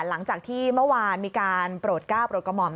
หลังจากที่เมื่อวานมีการโปรดก้าวโปรดกระหม่อม